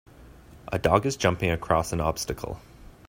A dog is jumping across an obstacle.